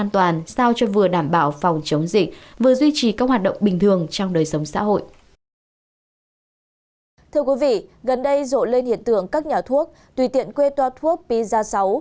thưa quý vị gần đây rộ lên hiện tượng các nhà thuốc tùy tiện quê toa thuốc piza sáu